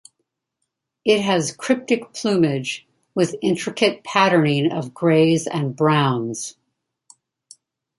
It has cryptic plumage, with intricate patterning of greys and browns.